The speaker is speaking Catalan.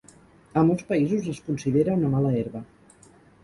A molts països es considera una mala herba.